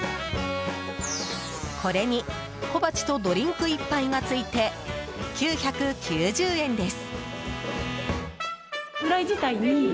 これに小鉢とドリンク１杯がついて９９０円です。